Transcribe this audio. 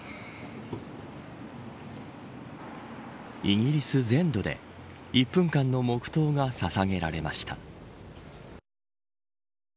イギリス全土で１分間の黙とうがささげられました。